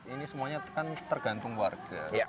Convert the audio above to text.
ini semuanya kan tergantung warga